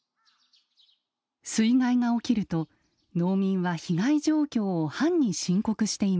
水害が起きると農民は被害状況を藩に申告していました。